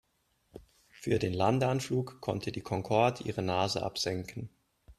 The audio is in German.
Für den Landeanflug konnte die Concorde ihre Nase absenken.